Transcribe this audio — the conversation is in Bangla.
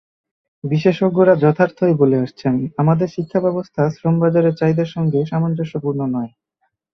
বিশেষজ্ঞরা যথার্থই বলে আসছেন, আমাদের শিক্ষাব্যবস্থা শ্রমবাজারের চাহিদার সঙ্গে সামঞ্জস্যপূর্ণ নয়।